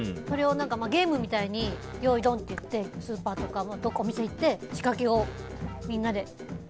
ゲームみたいによーいどんっていってスーパーとかお店に行って仕掛けを、みんなで。